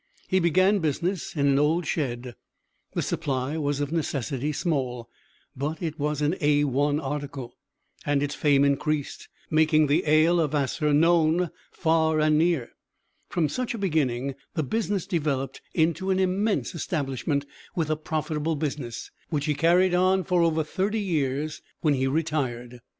He began business in an old shed. The supply was of necessity small, but it was an A 1. article, and its fame increased, making the ale of Vassar known far and near. From such a beginning the business developed into an immense establishment, with a profitable business, which he carried on for over thirty years, when he retired.